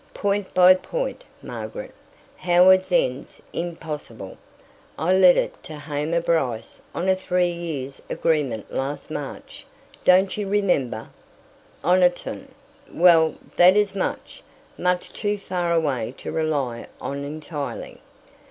Point by point, Margaret. Howards End's impossible. I let it to Hamar Bryce on a three years' agreement last March. Don't you remember? Oniton. Well, that is much, much too far away to rely on entirely.